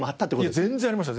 いや全然ありましたよ！